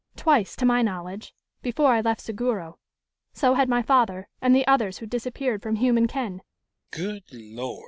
"Twice, to my knowledge, before I left Seguro. So had my father and the others who disappeared from human ken!"